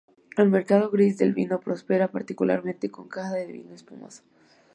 El mercado gris del vino prospera, particularmente con la caja de vino espumoso.